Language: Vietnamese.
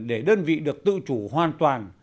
để đơn vị được tự chủ hoàn toàn